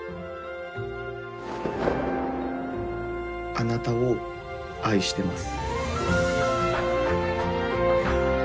「あなたを愛しています」。